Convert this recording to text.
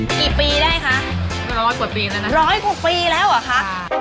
กี่ปีได้คะร้อยกว่าปีแล้วนะร้อยกว่าปีแล้วเหรอคะ